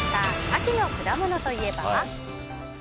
秋の果物といえば。